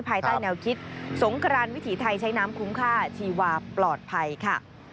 ภายใต้แนวคิดสงครานวิถีไทยใช้น้ำคุ้มค่าชีวาปลอดภัยค่ะ